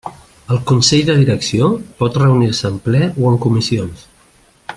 El Consell de Direcció pot reunir-se en ple o en comissions.